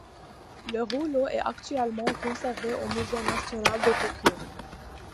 Le rouleau est actuellement conservé au musée national de Tokyo.